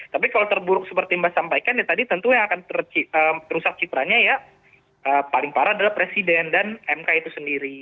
tapi kalau terburuk seperti mbak sampaikan ya tadi tentu yang akan rusak citranya ya paling parah adalah presiden dan mk itu sendiri